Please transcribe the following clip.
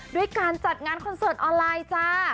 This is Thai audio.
ด้วยการจัดงานคอนเสิร์ตออนไลน์จ้า